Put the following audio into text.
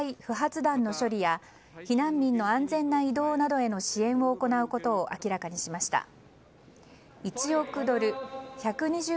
不発弾の処理や避難民の安全な移動などへの支援を行うことを明らかにしました。